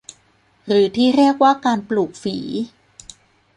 หรือที่เรียกว่าการปลูกฝี